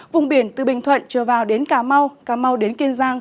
vùng biển từ bình thuận trở vào đến cà mau cà mau đến kiên giang